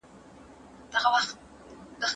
لويه سياستپوهنه ډېر پراخ مسايل تر پوښښ لاندې راولي.